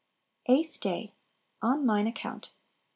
8. Eighth Day. "On mine Account."